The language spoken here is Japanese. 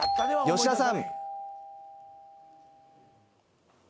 吉田さん